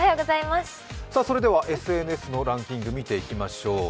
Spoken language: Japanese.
それではＳＮＳのランキング見ていきましょう。